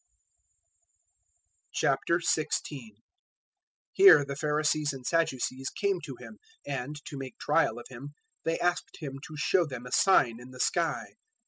016:001 Here the Pharisees and Sadducees came to Him; and, to make trial of Him, they asked Him to show them a sign in the sky.